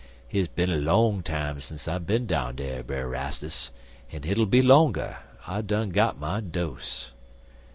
"Hit's bin a long time sence I bin down dar, Brer Rastus, an' hit'll be longer. I done got my dose."